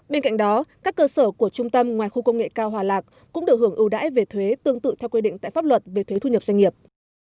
bên cạnh đó các cơ sở của trung tâm ngoài khu công nghệ cao hòa lạc cũng được hưởng ưu đãi về thuế tương tự theo quy định tại pháp luật về thuế thu nhập doanh nghiệp